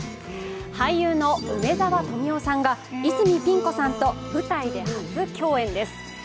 俳優の梅沢富美男さんが、泉ピン子さんと舞台で初共演です。